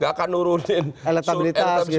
gak akan nurunin eletabilitas gitu